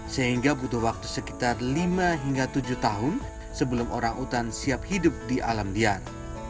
sehingga butuh waktu sekitar lima hingga tujuh tahun sebelum orang utan siap hidup di alam liar